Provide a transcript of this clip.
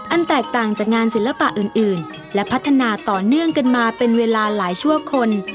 แตกต่างจากงานศิลปะอื่นและพัฒนาต่อเนื่องกันมาเป็นเวลาหลายชั่วคน